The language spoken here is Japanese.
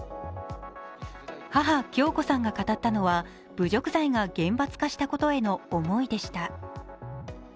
母・響子さんが語ったのは侮辱罪が厳罰化したことへの思いでした。